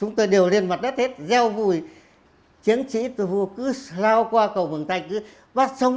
chúng tôi đều lên mặt đất hết gieo vùi chiến trị cứ lao qua cầu mường thanh